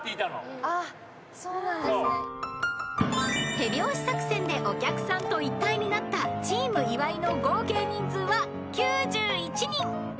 ［手拍子作戦でお客さんと一体になったチーム岩井の合計人数は９１人］